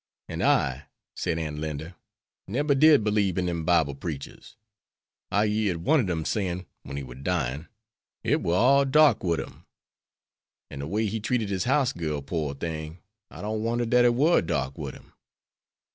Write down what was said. "An' I," said Aunt Linda, "neber did belieb in dem Bible preachers. I yered one ob dem sayin' wen he war dyin', it war all dark wid him. An' de way he treated his house girl, pore thing, I don't wonder dat it war dark wid him."